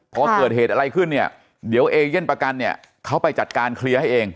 พอเกิดเหตุอะไรขึ้นเนี่ยเดี๋ยวเอเย่นประกันเนี่ยเขาไปจัดการเคลียร์ให้เอง